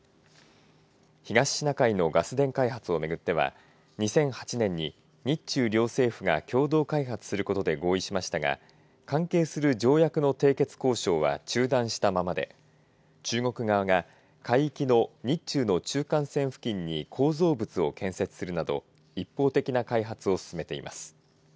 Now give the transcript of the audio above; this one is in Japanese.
東シナ海のガス田開発を巡っては２００８年に日中両政府が共同開発することで合意しましたが関係する条約の締結交渉は中断したままで中国側が海域の日中の中間線付近に構造物を建設するなど一方的な開発を進めています。